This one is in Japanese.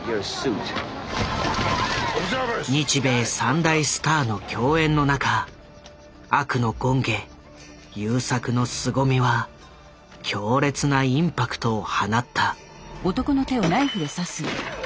日米３大スターの競演の中悪の権化優作のすごみは強烈なインパクトを放った。